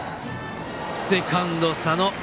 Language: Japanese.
セカンド、佐野。